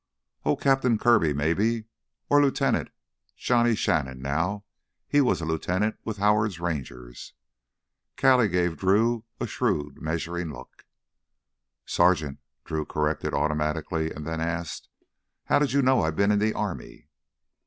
"Oh—Captain Kirby, maybe? Or Lieutenant? Johnny Shannon—now he was a lieutenant with Howard's Rangers." Callie gave Drew a shrewd measuring look. "Sergeant." Drew corrected automatically and then asked: "How did you know I'd been in the army?"